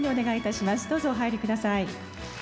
どうぞお入り下さい。